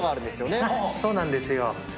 そうなんですよ。